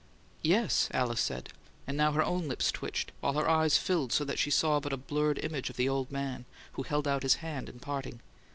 "Yes," Alice said; and now her own lips twitched, while her eyes filled so that she saw but a blurred image of the old man, who held out his hand in parting.